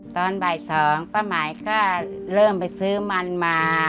ตอนบ่าย๒ป้าหมายก็เริ่มไปซื้อมันมา